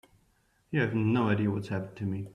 You have no idea what's happened to me.